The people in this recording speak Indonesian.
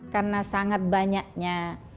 karena sangat banyaknya